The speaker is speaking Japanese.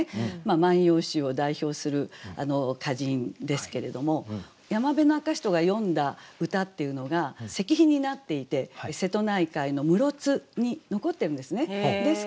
「万葉集」を代表する歌人ですけれども山部赤人が詠んだ歌っていうのが石碑になっていて瀬戸内海の室津に残ってるんですね。